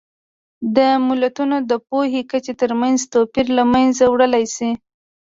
د ملتونو د پوهې کچې ترمنځ توپیر له منځه وړلی شي.